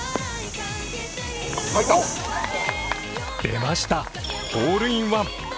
出ました、ホールインワン。